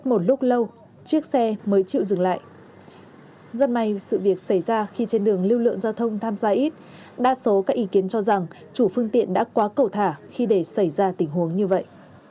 một số các ý kiến cho rằng chủ phương tiện đã quá cẩu thả khi để xảy ra tình huống như vậy